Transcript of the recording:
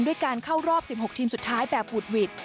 ด้วยการเข้ารอบ๑๖ทีมสุดท้ายแบบหุดหวิด